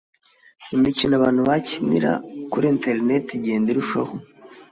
imikino abantu bakinira kuri interineti igenda irushaho